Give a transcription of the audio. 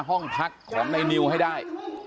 ห้องพักของในนิวให้ได้